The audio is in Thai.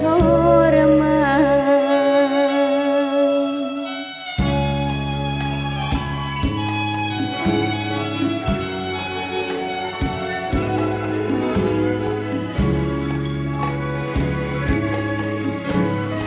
ข้าว่าที่มีใจของเธอ